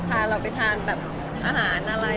พาเราไปทานอาหารอะไรอร่อย